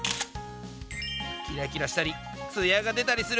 キラキラしたりツヤが出たりする。